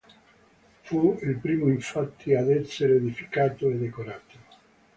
Fu il primo infatti ad essere edificato e decorato.